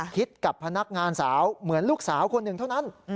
กับพนักงานสาวเหมือนลูกสาวคนหนึ่งเท่านั้น